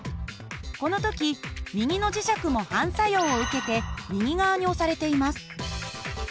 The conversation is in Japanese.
この時右の磁石も反作用を受けて右側に押されています。